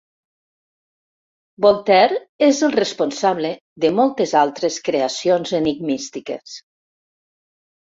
Voltaire és el responsable de moltes altres creacions enigmístiques.